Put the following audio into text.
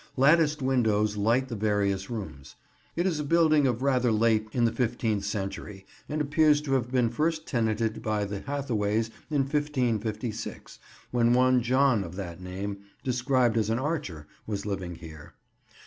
Latticed windows light the various rooms. It is a building of rather late in the fifteenth century, and appears to have been first tenanted by the Hathaways in 1556, when one John of that name, described as an archer, was living here.